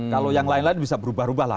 kalau yang lain lain bisa berubah ubah lah